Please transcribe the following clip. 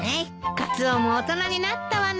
カツオも大人になったわねえ。